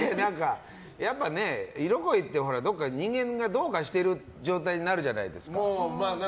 やっぱね、色恋ってどこか人間がどうかしてる状態になるじゃないですか。